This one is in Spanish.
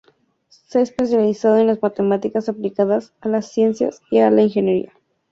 Se ha especializado en las matemáticas aplicadas a las ciencias y a la ingeniería.